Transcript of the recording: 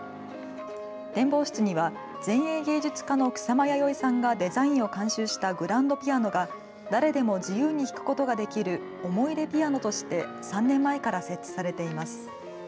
展望室には前衛芸術家の草間彌生さんがデザインを監修したグランドピアノが誰でも自由に弾くことができるおもいでピアノとして３年前から設置されています。